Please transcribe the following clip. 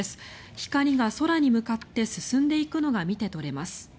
光が空に向かって進んでいくのが見て取れます。